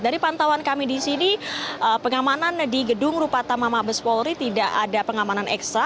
dari pantauan kami di sini pengamanan di gedung rupata mama mabes polri tidak ada pengamanan ekstra